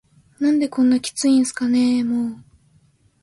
「何でこんなキツいんすかねぇ～も～…」